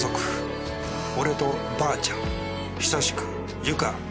「俺とばあちゃん久司君由香